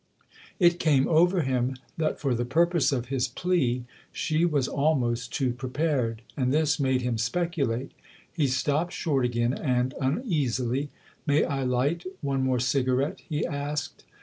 It came over him that for the purpose of his plea she was almost too prepared, and this made him speculate. He stopped short again and, uneasily, "May I light one more cigarette?" he asked.